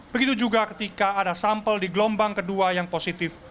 begitu juga ketika ada sampel di gelombang kedua yang positif